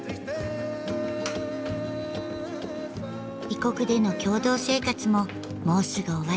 異国での共同生活ももうすぐ終わり。